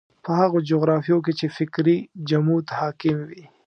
په هغو جغرافیو کې چې فکري جمود حاکم وي.